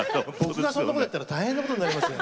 そんなことやったら大変なことになりますよ。